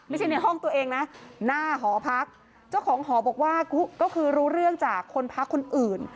ในห้องตัวเองนะหน้าหอพักเจ้าของหอบอกว่าก็คือรู้เรื่องจากคนพักคนอื่น